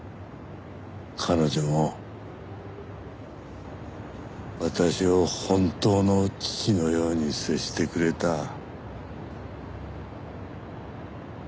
彼女も私を本当の父のように接してくれた。